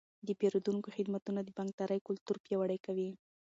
د پیرودونکو خدمتونه د بانکدارۍ کلتور پیاوړی کوي.